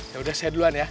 ya udah saya duluan ya